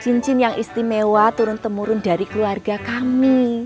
cincin yang istimewa turun temurun dari keluarga kami